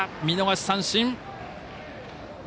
見逃し三振。